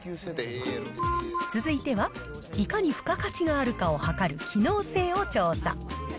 続いては、いかに付加価値があるかをはかる機能性を調査。